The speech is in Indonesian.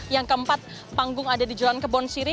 yang keempat panggung ada di jalan kebon siri